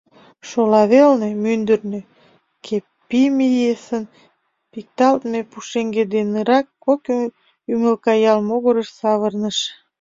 Шолавелне, мӱндырнӧ, Кеппимиэсын пикталтме пушеҥге денырак, кок ӱмылка ял могырыш савырныш.